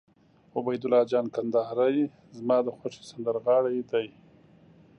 عبیدالله جان کندهاری زما د خوښې سندرغاړی دي.